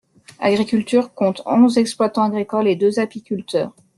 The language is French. Agriculture compte onze exploitants agricoles et deux apiculteurs.